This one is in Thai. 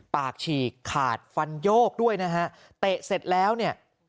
ฉีกขาดฟันโยกด้วยนะฮะเตะเสร็จแล้วเนี่ย